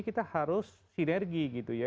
kita harus sinergi gitu ya